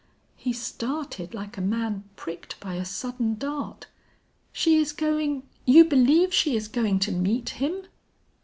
"He started like a man pricked by a sudden dart. 'She is going you believe she is going to meet him?'